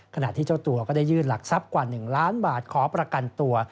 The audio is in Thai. ขณะที่เจ้าตัวก็ได้ยื่นหลักทรัพย์กว่า๑ล้านบาทขอประกันตัว